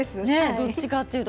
どちらかというと。